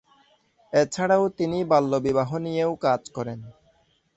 এছাড়াও তিনি বাল্যবিবাহ নিয়েও কাজ করেন।